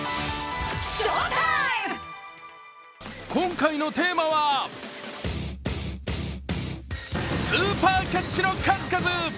今回のテーマはスーパーキャッチの数々。